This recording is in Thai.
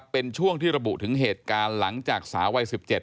เป็นช่วงที่ระบุถึงเหตุการณ์หลังจากสาววัย๑๗